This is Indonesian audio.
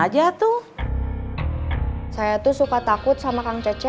jiduh hpnya sibuk